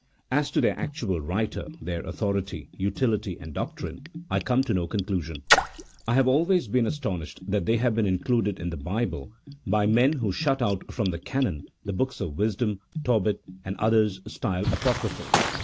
As to their actual writer, their authority, utility, and doctrine, I come to no conclusion. I have always been astonished that they have been included in the Bible by men who shut out from the canon the books of "Wisdom, Tobit, and the others styled apocryphal.